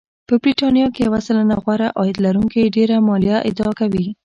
په بریتانیا کې یو سلنه غوره عاید لرونکي ډېره مالیه اداکوي